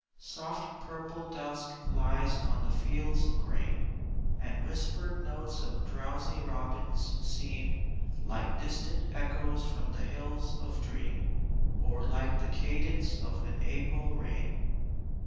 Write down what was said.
Soft purple dusk lies on the fields of grain And whispered notes of drowsy robins seem Like distant echoes from the hills of dream, Or like the cadence of an April rain.